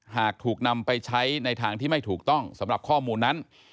หากถูกนำไปใช้ในทางที่ไม่ถูกต้องสำหรับข้อมูลนั้น